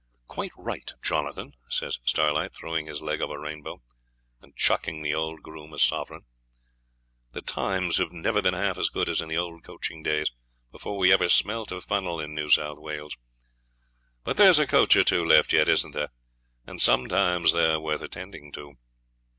'Quite right, Jonathan,' says Starlight, throwing his leg over Rainbow, and chucking the old groom a sovereign. 'The times have never been half as good as in the old coaching days, before we ever smelt a funnel in New South Wales. But there's a coach or two left yet, isn't there? and sometimes they're worth attending to.'